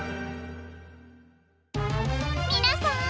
みなさん！